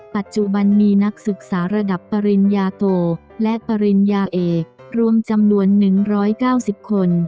ปัจจุบันมีนักศึกษาระดับปริญญาโตและปริญญาเอกรวมจำนวน๑๙๐คน